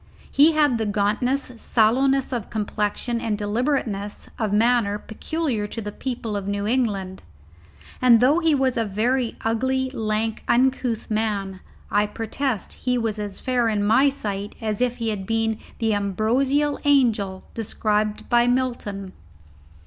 He had the gauntness, sallowness of complexion, and deliberateness of manner peculiar to the people of New England. And though he was a very ugly, lank, uncouth man, I protest he was as fair in my sight as if he had been the ambrosial angel described by Milton.